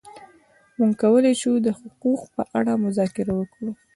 موږ کولای شو د حقوقو په اړه مذاکره وکړو.